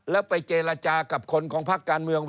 แล้วไปเจรจากับคนของพักการเมือง